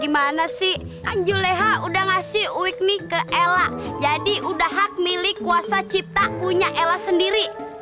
gimana sih kaju leha udah ngasih week nih ke ela jadi udah hak milik kuasa ciptastun ya ela sendiri